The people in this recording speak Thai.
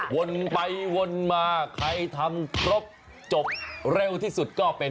วนไปวนมาใครทำครบจบเร็วที่สุดก็เป็น